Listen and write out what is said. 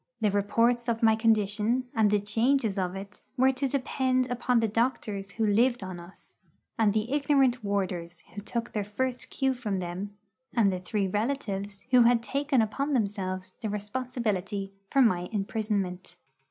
The reports of my condition, and the changes of it, were to depend upon the doctors who lived on us, and the ignorant warders who took their first cue from them, and the three relatives who had taken upon themselves the responsibility for my imprisonment.